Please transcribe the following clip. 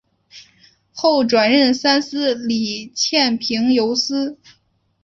后转任三司理欠凭由司。